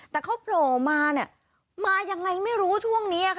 แต่เขาโผล่มามายังไงไม่รู้ช่วงนี้